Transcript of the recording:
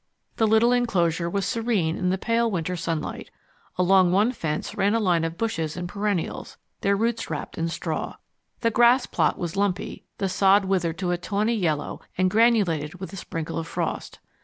The little enclosure was serene in the pale winter sunlight. Along one fence ran a line of bushes and perennials, their roots wrapped in straw. The grass plot was lumpy, the sod withered to a tawny yellow and granulated with a sprinkle of frost.